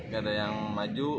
gak ada yang maju